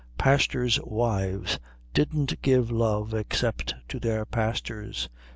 Pastors' wives didn't give love except to their pastors.